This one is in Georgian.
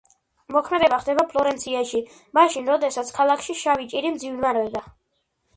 მოქმედება ხდება ფლორენციაში, მაშინ როდესაც ქალაქში შავი ჭირი მძვინვარებდა.